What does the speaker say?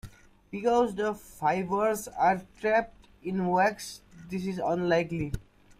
Because the fibers are trapped in wax this is unlikely.